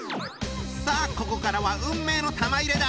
さあここからは運命の玉入れだ。